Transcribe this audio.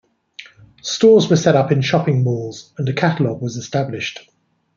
Stores were set up in shopping malls and a catalog was established.